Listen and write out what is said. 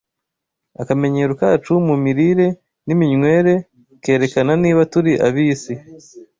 Akamenyero kacu mu mirire n’iminywere kerekana niba turi ab’isi